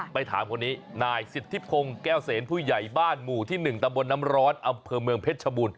ไปถามคนนี้นายสิทธิพงศ์แก้วเสนผู้ใหญ่บ้านหมู่ที่๑ตำบลน้ำร้อนอำเภอเมืองเพชรชบูรณ